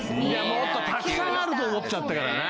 もっとたくさんあると思っちゃったからな。